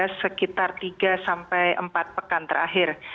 sekitar tiga sampai empat pekan terakhir